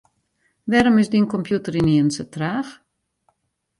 Wêrom is dyn kompjûter ynienen sa traach?